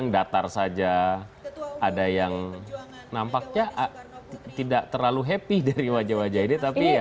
datar saja ada yang nampaknya tidak terlalu happy dari wajah wajah ini tapi ya